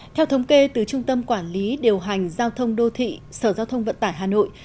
theo thống kê từ trung tâm quản lý điều hành giao thông đô thị sở giao thông vận tải hà nội